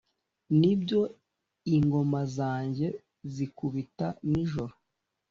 nibyo, ingoma zanjye zikubita nijoro,